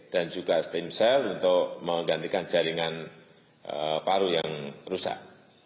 dan juga stem cell untuk menggantikan jaringan paru yang rusak